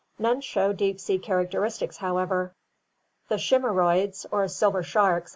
None show deep sea characteristics, however. The chimaeroids or silver sharks (see Fig.